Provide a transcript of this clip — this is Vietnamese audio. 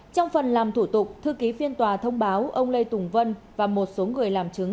trong phần làm thủ tục thư ký phiên tòa thông báo ông lê tùng vân và một số người làm chứng